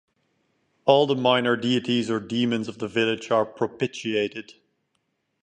All the minor deities or demons of the village are propitiated.